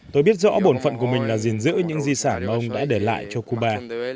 tôi biết rõ bổn phận của mình là gìn giữ những di sản mà ông đã để lại cho cuba